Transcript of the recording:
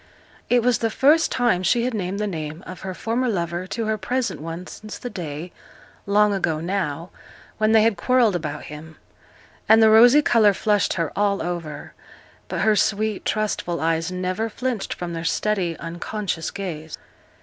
It was the first time she had named the name of her former lover to her present one since the day, long ago now, when they had quarrelled about him; and the rosy colour flushed her all over; but her sweet, trustful eyes never flinched from their steady, unconscious gaze.